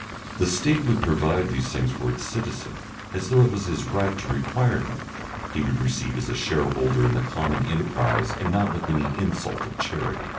The State would provide these things for its citizen as though it was his right to require them; he would receive as a shareholder in the common enterprise and not with any insult of charity.